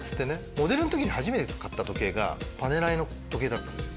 モデルの時に初めて買った時計がパネライの時計だったんですよ。